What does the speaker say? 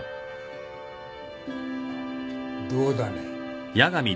どうだね？